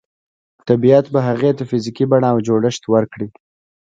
طبیعت به هغې ته فزیکي بڼه او جوړښت ورکړي